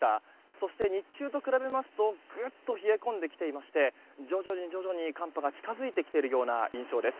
そして、日中と比べますとグッと冷え込んできていまして徐々に徐々に寒波が近づいてきているような印象です。